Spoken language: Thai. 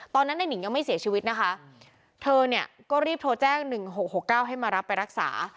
ตอนนั้นนายนิงยังไม่เสียชีวิตนะคะเธอเนี้ยก็รีบโทรแจ้งหนึ่งหกหกเก้าให้มารับไปรักษา